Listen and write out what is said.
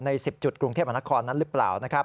ใน๑๐จุดกรุงเทพฯอาณาคตนั้นหรือเปล่า